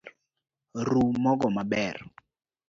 Ru mogo maber